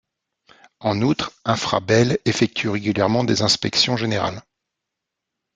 En outre, Infrabel effectue régulièrement des inspections générales.